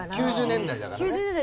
９０年代だからね。